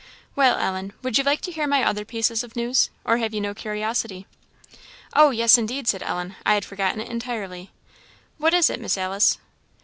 "Well, Ellen, would you like to hear my other pieces of news? or have you no curiosity?" "Oh, yes, indeed," said Ellen; "I had forgotten it entirely; what is it, Miss Alice?"